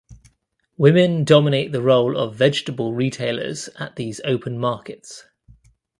Women dominate the role of vegetable retailers at these open markets.